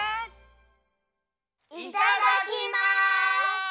いただきます！